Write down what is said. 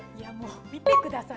見てください。